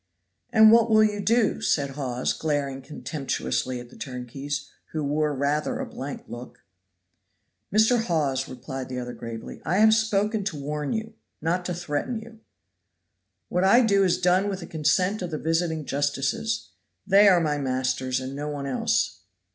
"And what will you do?" said Hawes, glaring contemptuously at the turnkeys, who wore rather a blank look. "Mr. Hawes," replied the other gravely, "I have spoken to warn you, not to threaten you." "What I do is done with the consent of the visiting justices. They are my masters, and no one else."